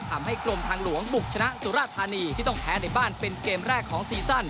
ทำให้กรมทางหลวงบุกชนะสุราธานีที่ต้องแพ้ในบ้านเป็นเกมแรกของซีซั่น